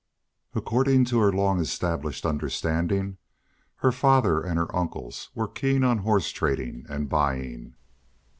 According to her long established understanding, her father and her uncles were keen on horse trading and buying.